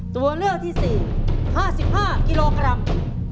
ตัวเลือกที่๔๕๕กิโลกรัม